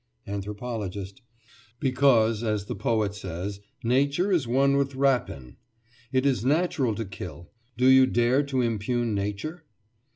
ANTHROPOLOGIST: Because, as the poet says, "Nature is one with rapine." It is natural to kill. Do you dare to impugn Nature?